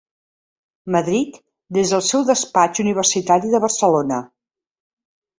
Madrid des del seu despatx universitari de Barcelona.